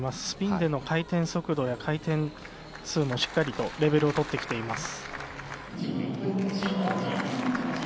スピンでの回転速度や回転数もしっかりとレベルをとってきています。